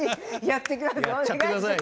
やっちゃってください。